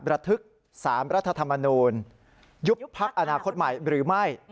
ระทึก๓รัฐธรรมนูลยุบพักอนาคตใหม่หรือไม่